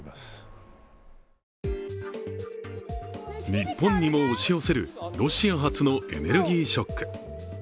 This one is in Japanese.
日本にも押し寄せるロシア発のエネルギーショック。